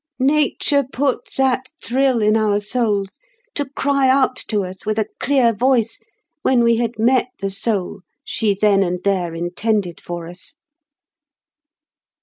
Nature put that thrill in our souls to cry out to us with a clear voice when we had met the soul she then and there intended for us."